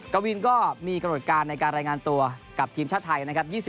กวินก็มีกำหนดการในการรายงานตัวกับทีมชาติไทยนะครับ